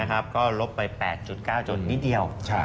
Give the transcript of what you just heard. ก็ลบไป๘๙จนนิดเดียว